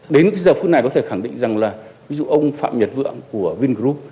đến giờ phút này có thể khẳng định rằng là ví dụ ông phạm nhật vượng của vingroup